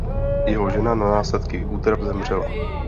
Jeho žena na následky útrap zemřela.